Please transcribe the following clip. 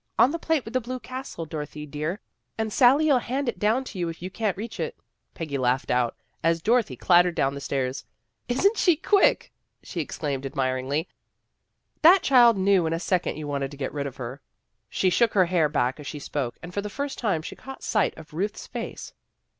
On the plate with the blue castle, Dorothy, dear, and Sally'll hand it down to you if you can't reach it." Peggy laughed out, as Dorothy clattered down the stairs. " Isn't she quick?/' she exclaimed ad miringly. ' That child knew in a second you wanted to get rid of her." She shook her hair back as she spoke, and, for the first time, caught sight of Ruth's face.